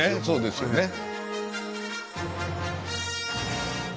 そうですよね。